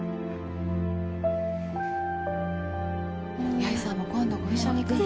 八重さんも今度ご一緒にいかが？